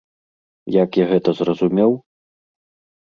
Як я гэта зразумеў?